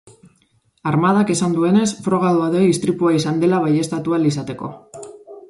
Armadak esan duenez, frogak daude istripua izan dela baieztatu ahal izateko.